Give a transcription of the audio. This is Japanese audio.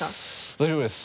大丈夫です。